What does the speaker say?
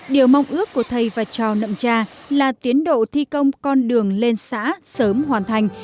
điều mong ước của thầy và trò nậm tra là tiến độ thi công con đường lên xã sớm hoàn thành